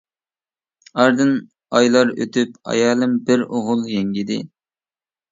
ئارىدىن ئايلار ئۆتۈپ ئايالىم بىر ئوغۇل يەڭگىدى.